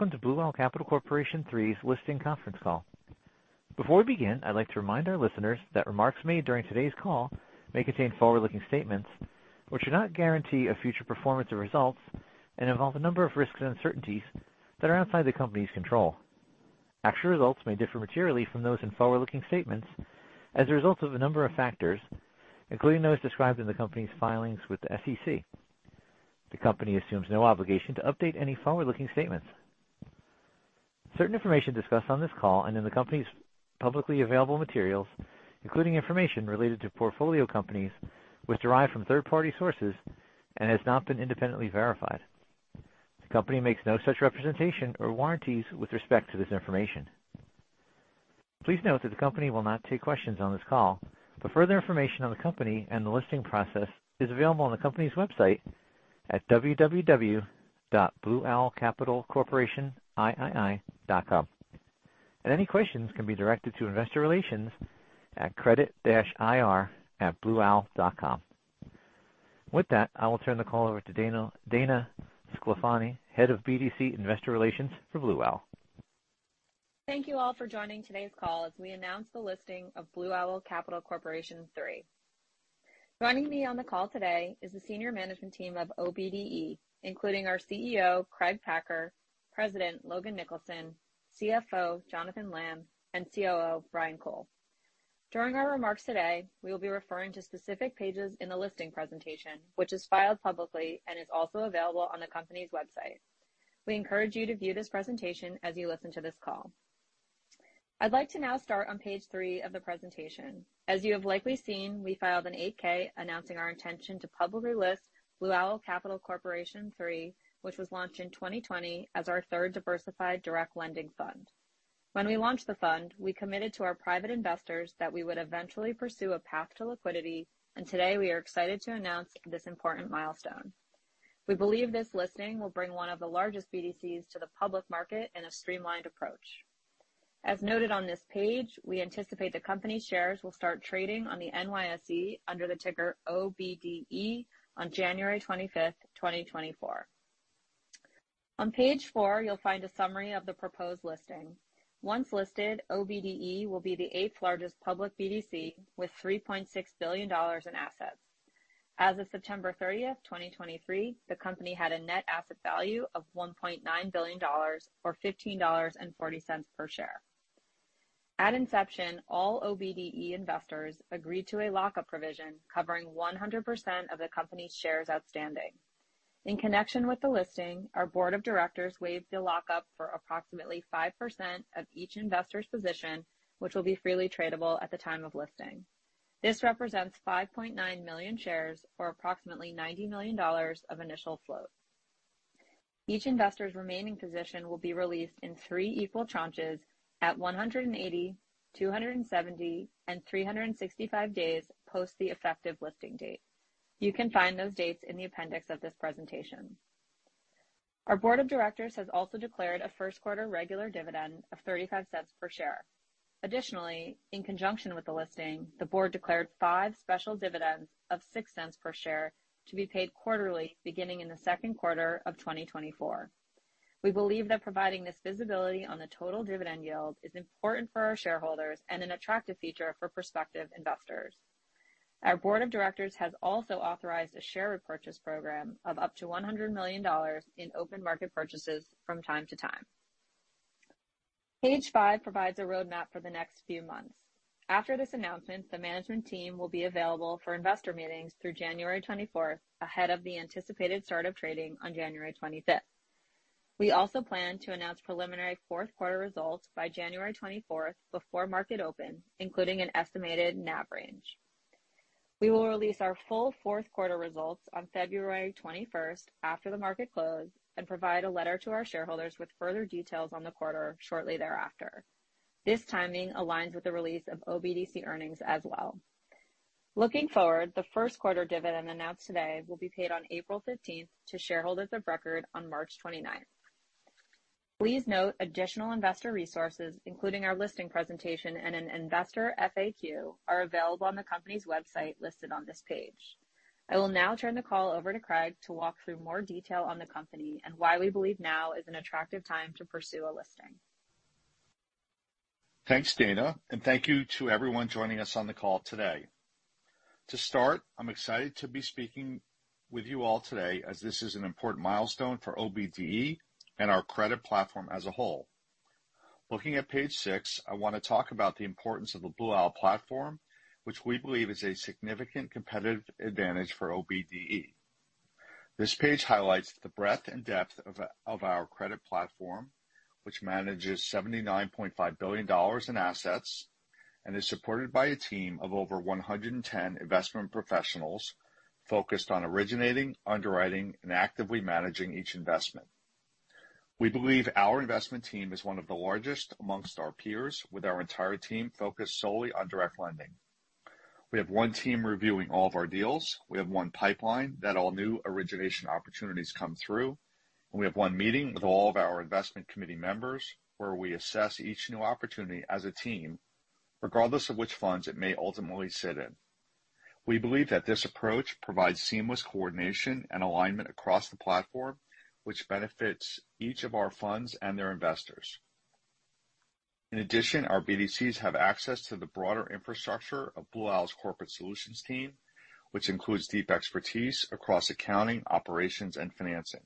Welcome to Blue Owl Capital Corporation Three's listing conference call. Before we begin, I'd like to remind our listeners that remarks made during today's call may contain forward-looking statements which do not guarantee a future performance or results and involve a number of risks and uncertainties that are outside the company's control. Actual results may differ materially from those in forward-looking statements as a result of a number of factors, including those described in the company's filings with the SEC. The company assumes no obligation to update any forward-looking statements. Certain information discussed on this call and in the company's publicly available materials, including information related to portfolio companies, was derived from third-party sources and has not been independently verified. The company makes no such representation or warranties with respect to this information. Please note that the company will not take questions on this call, but further information on the company and the listing process is available on the company's website at www.blueowlcapitalcorporationiii.com. Any questions can be directed to investor relations at credit-ir@blueowl.com. With that, I will turn the call over to Dana Sclafani, Head of BDC Investor Relations for Blue Owl. Thank you all for joining today's call as we announce the listing of Blue Owl Capital Corporation Three. Joining me on the call today is the senior management team of OBDE, including our CEO, Craig Packer, President Logan Nicholson, CFO, Jonathan Lamm, and COO, Brian Cole. During our remarks today, we will be referring to specific pages in the listing presentation which is filed publicly and is also available on the company's website. We encourage you to view this presentation as you listen to this call. I'd like to now start on page three of the presentation. As you have likely seen, we filed an 8-K announcing our intention to publicly list Blue Owl Capital Corporation Three, which was launched in 2020 as our third diversified direct lending fund. When we launched the fund, we committed to our private investors that we would eventually pursue a path to liquidity, and today we are excited to announce this important milestone. We believe this listing will bring one of the largest BDCs to the public market in a streamlined approach. As noted on this page, we anticipate the company's shares will start trading on the NYSE under the ticker OBDE on January 25th, 2024. On page four, you'll find a summary of the proposed listing. Once listed, OBDE will be the eighth largest public BDC with $3.6 billion in assets. As of September 30th, 2023, the company had a net asset value of $1.9 billion, or $15.40 per share. At inception, all OBDE investors agreed to a lockup provision covering 100% of the company's shares outstanding. In connection with the listing, our board of directors waived the lockup for approximately 5% of each investor's position, which will be freely tradable at the time of listing. This represents 5.9 million shares or approximately $90 million of initial float. Each investor's remaining position will be released in three equal tranches at 180, 270, and 365 days post the effective listing date. You can find those dates in the appendix of this presentation. Our board of directors has also declared a first-quarter regular dividend of $0.35 per share. Additionally, in conjunction with the listing, the board declared five special dividends of $0.06 per share to be paid quarterly beginning in the second quarter of 2024. We believe that providing this visibility on the total dividend yield is important for our shareholders and an attractive feature for prospective investors. Our board of directors has also authorized a share repurchase program of up to $100 million in open market purchases from time to time. Page five provides a roadmap for the next few months. After this announcement, the management team will be available for investor meetings through January 24th ahead of the anticipated start of trading on January 25th. We also plan to announce preliminary fourth-quarter results by January 24th before market open, including an estimated NAV range. We will release our full fourth-quarter results on February 21st after the market closes and provide a letter to our shareholders with further details on the quarter shortly thereafter. This timing aligns with the release of OBDC earnings as well. Looking forward, the first-quarter dividend announced today will be paid on April 15th to shareholders of record on March 29th. Please note additional investor resources, including our listing presentation and an investor FAQ, are available on the company's website listed on this page. I will now turn the call over to Craig to walk through more detail on the company and why we believe now is an attractive time to pursue a listing. Thanks, Dana, and thank you to everyone joining us on the call today. To start, I'm excited to be speaking with you all today as this is an important milestone for OBDE and our credit platform as a whole. Looking at page six, I want to talk about the importance of the Blue Owl platform, which we believe is a significant competitive advantage for OBDE. This page highlights the breadth and depth of our credit platform, which manages $79.5 billion in assets and is supported by a team of over 110 investment professionals focused on originating, underwriting, and actively managing each investment. We believe our investment team is one of the largest amongst our peers, with our entire team focused solely on direct lending. We have one team reviewing all of our deals. We have one pipeline that all new origination opportunities come through, and we have one meeting with all of our investment committee members where we assess each new opportunity as a team, regardless of which funds it may ultimately sit in. We believe that this approach provides seamless coordination and alignment across the platform, which benefits each of our funds and their investors. In addition, our BDCs have access to the broader infrastructure of Blue Owl's corporate solutions team, which includes deep expertise across accounting, operations, and financing.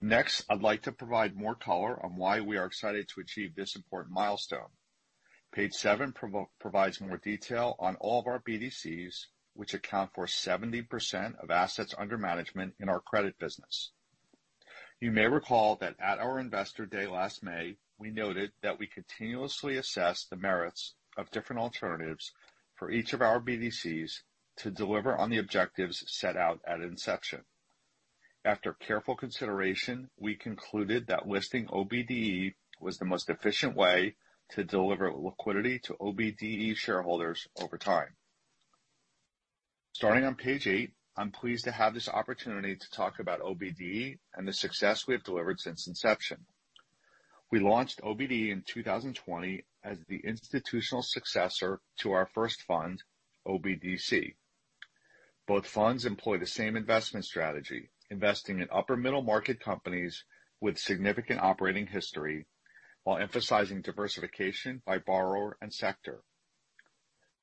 Next, I'd like to provide more color on why we are excited to achieve this important milestone. Page seven provides more detail on all of our BDCs, which account for 70% of assets under management in our credit business. You may recall that at our investor day last May, we noted that we continuously assess the merits of different alternatives for each of our BDCs to deliver on the objectives set out at inception. After careful consideration, we concluded that listing OBDE was the most efficient way to deliver liquidity to OBDE shareholders over time. Starting on page eight, I'm pleased to have this opportunity to talk about OBDE and the success we have delivered since inception. We launched OBDE in 2020 as the institutional successor to our first fund, OBDC. Both funds employ the same investment strategy, investing in upper-middle market companies with significant operating history while emphasizing diversification by borrower and sector.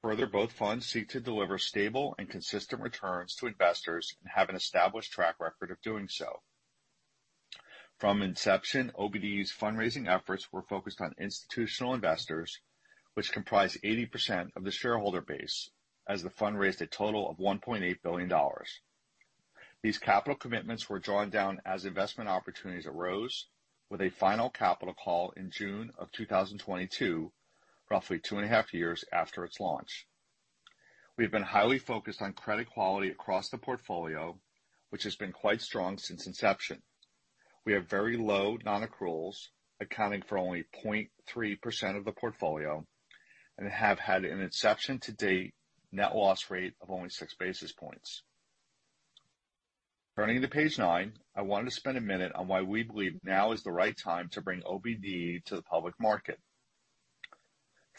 Further, both funds seek to deliver stable and consistent returns to investors and have an established track record of doing so. From inception, OBDE's fundraising efforts were focused on institutional investors, which comprised 80% of the shareholder base, as the fund raised a total of $1.8 billion. These capital commitments were drawn down as investment opportunities arose, with a final capital call in June of 2022, roughly two and a half years after its launch. We have been highly focused on credit quality across the portfolio, which has been quite strong since inception. We have very low non-accruals, accounting for only 0.3% of the portfolio, and have had an inception-to-date net loss rate of only six basis points. Turning to page nine, I wanted to spend a minute on why we believe now is the right time to bring OBDE to the public market.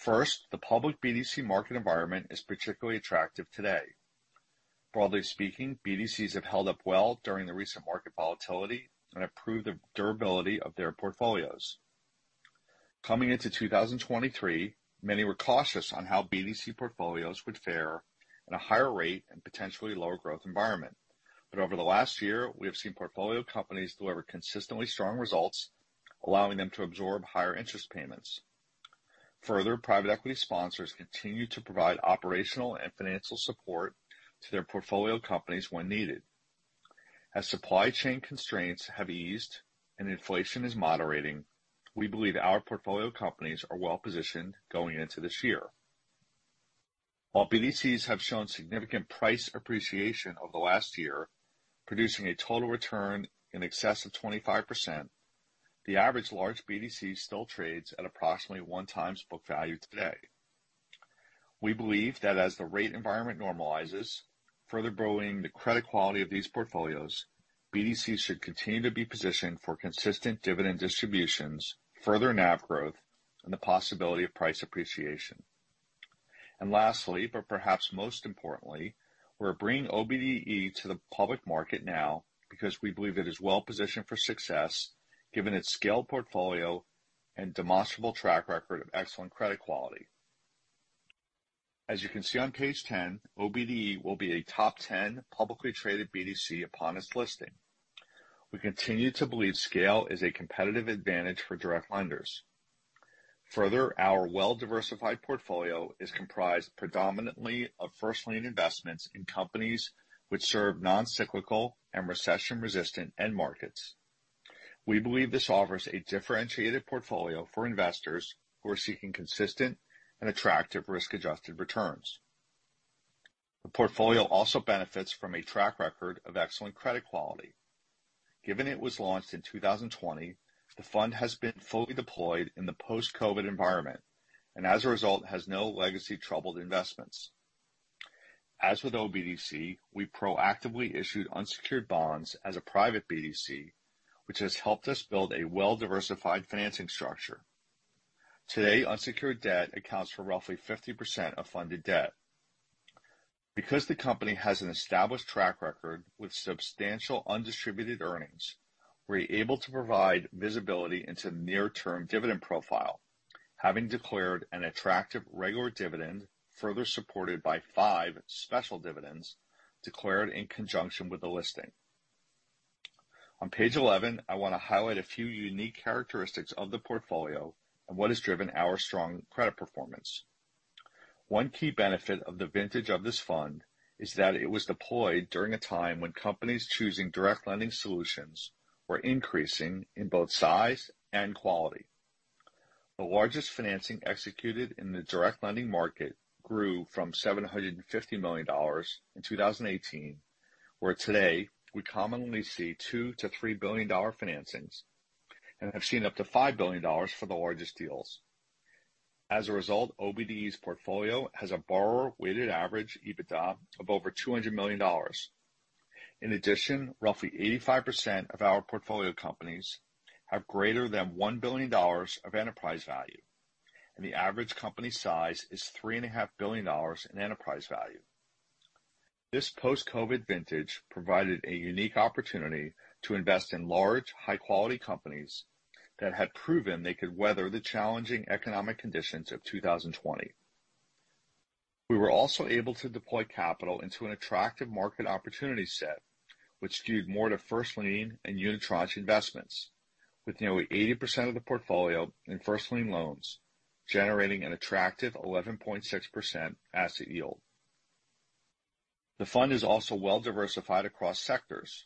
First, the public BDC market environment is particularly attractive today. Broadly speaking, BDCs have held up well during the recent market volatility and have proved the durability of their portfolios. Coming into 2023, many were cautious on how BDC portfolios would fare at a higher rate and potentially lower growth environment. Over the last year, we have seen portfolio companies deliver consistently strong results, allowing them to absorb higher interest payments. Further, private equity sponsors continue to provide operational and financial support to their portfolio companies when needed. As supply chain constraints have eased and inflation is moderating, we believe our portfolio companies are well positioned going into this year. While BDCs have shown significant price appreciation over the last year, producing a total return in excess of 25%, the average large BDC still trades at approximately one time's book value today. We believe that as the rate environment normalizes, further growing the credit quality of these portfolios, BDCs should continue to be positioned for consistent dividend distributions, further NAV growth, and the possibility of price appreciation. Lastly, but perhaps most importantly, we're bringing OBDE to the public market now because we believe it is well positioned for success, given its scaled portfolio and demonstrable track record of excellent credit quality. As you can see on page 10, OBDE will be a top 10 publicly traded BDC upon its listing. We continue to believe scale is a competitive advantage for direct lenders. Further, our well-diversified portfolio is comprised predominantly of first-lien investments in companies which serve non-cyclical and recession-resistant end markets. We believe this offers a differentiated portfolio for investors who are seeking consistent and attractive risk-adjusted returns. The portfolio also benefits from a track record of excellent credit quality. Given it was launched in 2020, the fund has been fully deployed in the post-COVID environment and, as a result, has no legacy troubled investments. As with OBDC, we proactively issued unsecured bonds as a private BDC, which has helped us build a well-diversified financing structure. Today, unsecured debt accounts for roughly 50% of funded debt. Because the company has an established track record with substantial undistributed earnings, we're able to provide visibility into the near-term dividend profile, having declared an attractive regular dividend, further supported by five special dividends declared in conjunction with the listing. On page 11, I want to highlight a few unique characteristics of the portfolio and what has driven our strong credit performance. One key benefit of the vintage of this fund is that it was deployed during a time when companies choosing direct lending solutions were increasing in both size and quality. The largest financing executed in the direct lending market grew from $750 million in 2018, where today we commonly see $2 billion to $3 billion financings, and have seen up to $5 billion for the largest deals. As a result, OBDE's portfolio has a borrower-weighted average EBITDA of over $200 million. In addition, roughly 85% of our portfolio companies have greater than $1 billion of enterprise value, and the average company size is $3.5 billion in enterprise value. This post-COVID vintage provided a unique opportunity to invest in large, high-quality companies that had proven they could weather the challenging economic conditions of 2020. We were also able to deploy capital into an attractive market opportunity set, which skewed more to first-lien and unitranche investments, with nearly 80% of the portfolio in first-lien loans generating an attractive 11.6% asset yield. The fund is also well-diversified across sectors,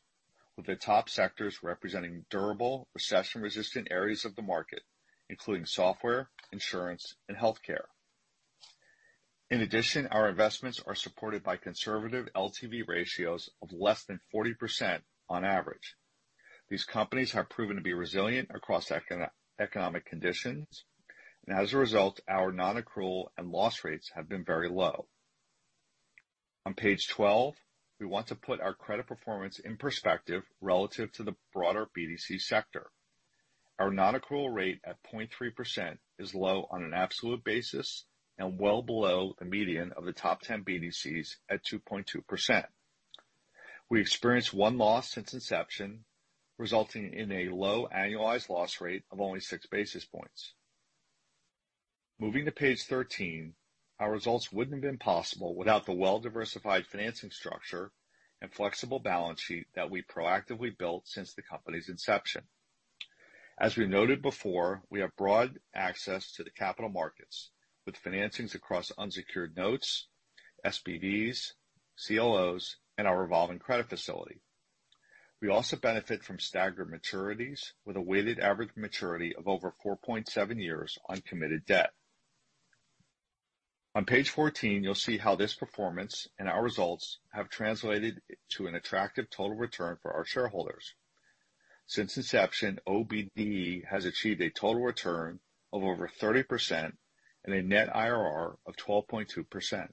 with the top sectors representing durable recession-resistant areas of the market, including software, insurance, and healthcare. In addition, our investments are supported by conservative LTV ratios of less than 40% on average. These companies have proven to be resilient across economic conditions, and as a result, our non-accrual and loss rates have been very low. On page 12, we want to put our credit performance in perspective relative to the broader BDC sector. Our non-accrual rate at 0.3% is low on an absolute basis and well below the median of the top 10 BDCs at 2.2%. We experienced one loss since inception, resulting in a low annualized loss rate of only six basis points. Moving to page 13, our results would not have been possible without the well-diversified financing structure and flexible balance sheet that we proactively built since the company's inception. As we noted before, we have broad access to the capital markets, with financings across unsecured notes, SBVs, CLOs, and our revolving credit facility. We also benefit from staggered maturities, with a weighted average maturity of over 4.7 years on committed debt. On page 14, you'll see how this performance and our results have translated to an attractive total return for our shareholders. Since inception, OBDE has achieved a total return of over 30% and a net IRR of 12.2%.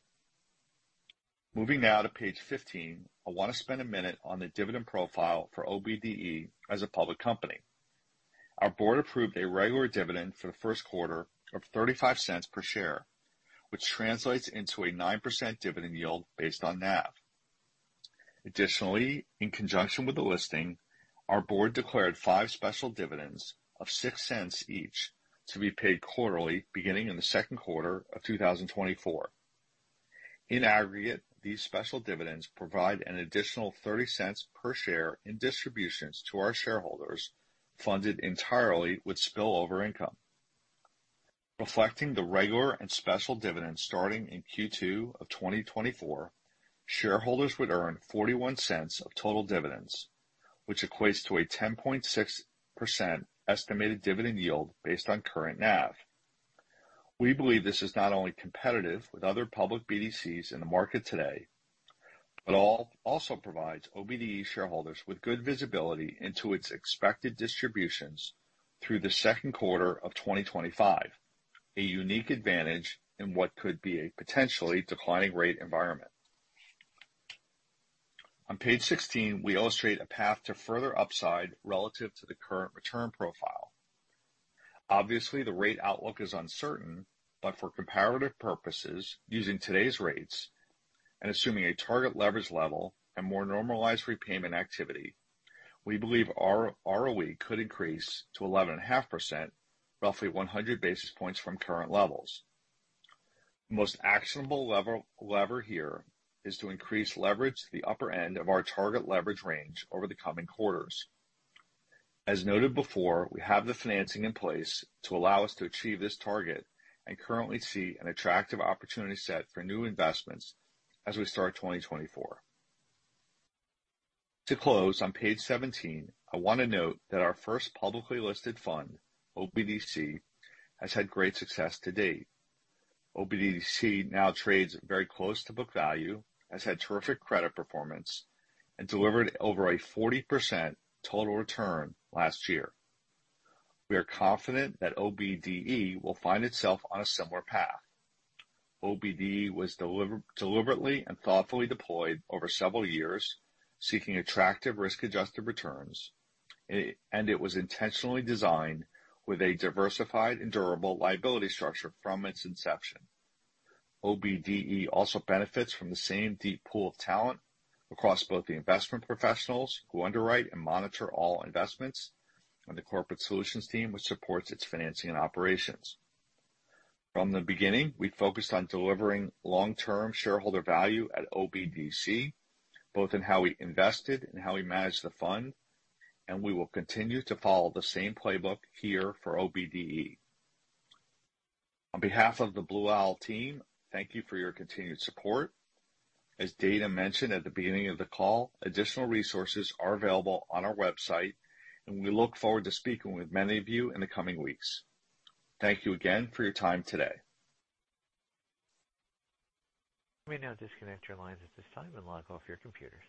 Moving now to page 15, I want to spend a minute on the dividend profile for OBDE as a public company. Our board approved a regular dividend for the first quarter of $0.35 per share, which translates into a 9% dividend yield based on NAV. Additionally, in conjunction with the listing, our board declared five special dividends of $0.06 each to be paid quarterly beginning in the second quarter of 2024. In aggregate, these special dividends provide an additional $0.30 per share in distributions to our shareholders funded entirely with spillover income. Reflecting the regular and special dividends starting in Q2 of 2024, shareholders would earn $0.41 of total dividends, which equates to a 10.6% estimated dividend yield based on current NAV. We believe this is not only competitive with other public BDCs in the market today, but also provides OBDE shareholders with good visibility into its expected distributions through the second quarter of 2025, a unique advantage in what could be a potentially declining rate environment. On page 16, we illustrate a path to further upside relative to the current return profile. Obviously, the rate outlook is uncertain, but for comparative purposes, using today's rates and assuming a target leverage level and more normalized repayment activity, we believe our ROE could increase to 11.5%, roughly 100 basis points from current levels. The most actionable lever here is to increase leverage to the upper end of our target leverage range over the coming quarters. As noted before, we have the financing in place to allow us to achieve this target and currently see an attractive opportunity set for new investments as we start 2024. To close, on page 17, I want to note that our first publicly listed fund, OBDC, has had great success to date. OBDC now trades very close to book value, has had terrific credit performance, and delivered over a 40% total return last year. We are confident that OBDE will find itself on a similar path. OBDE was deliberately and thoughtfully deployed over several years, seeking attractive risk-adjusted returns, and it was intentionally designed with a diversified and durable liability structure from its inception. OBDE also benefits from the same deep pool of talent across both the investment professionals who underwrite and monitor all investments and the corporate solutions team which supports its financing and operations. From the beginning, we focused on delivering long-term shareholder value at OBDC, both in how we invested and how we managed the fund, and we will continue to follow the same playbook here for OBDE. On behalf of the Blue Owl team, thank you for your continued support. As Dana mentioned at the beginning of the call, additional resources are available on our website, and we look forward to speaking with many of you in the coming weeks. Thank you again for your time today. You may now disconnect your lines at this time and log off your computer.